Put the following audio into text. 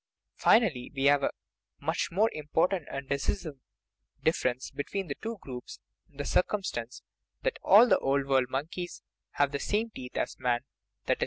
Finally, we have a much more important and decisive difference between the two groups in the circumstance that all the Old World monkeys have the same teeth as man i.e.